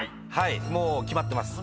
もう決まってます。